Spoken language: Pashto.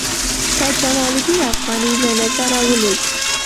سید جمال الدین افغاني له نظره ولوېد.